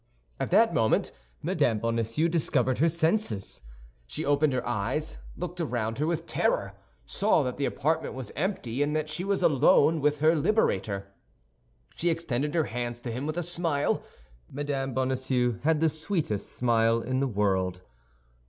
At that moment Mme. Bonacieux recovered her senses. She opened her eyes, looked around her with terror, saw that the apartment was empty and that she was alone with her liberator. She extended her hands to him with a smile. Mme. Bonacieux had the sweetest smile in the world.